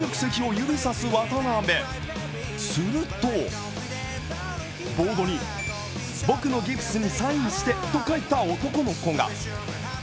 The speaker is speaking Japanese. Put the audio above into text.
公開練習中、何かに気づき観客席を指さす渡邊、するとボードに、僕のギプスにサインしてと書いた男の子が。